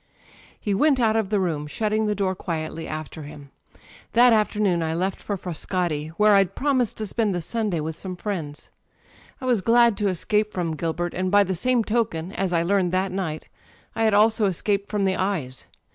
'^He went out of the room, shutting the door quietly after him. That afternoon I left for Frascati, where I'd promised to ispend the Sunday with some friends. I was glad to escape from Gilbert, and by the same token, as I learned that night, I had also escaped from the eyes.